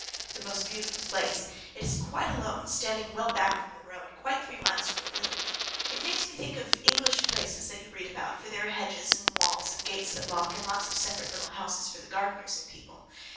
The most beautiful place! It is quite alone, standing well back from the road, quite three miles from the village. It makes me think of English places that you read about, for there are hedges and walls and gates that lock, and lots of separate little houses for the gardeners and people.